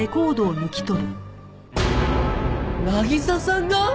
渚さんが！？